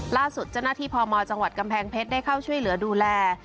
ล่าสุดเจ้าหน้าที่พมจังหวัดกำแพงเพชรได้เข้าช่วยเหลือดูแล